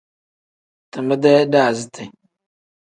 Time-dee daaziti.